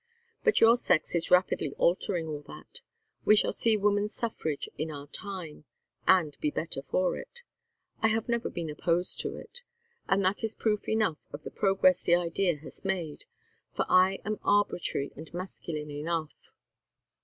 But your sex is rapidly altering all that. We shall see woman's suffrage in our time and be better for it. I have never been opposed to it and that is proof enough of the progress the idea has made, for I am arbitrary and masculine enough.